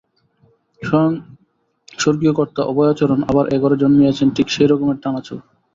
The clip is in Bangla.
স্বয়ং স্বর্গীয় কর্তা অভয়াচরণ আবার এ ঘরে জন্মিয়াছেন, ঠিক সেই রকমেরই টানা চোখ।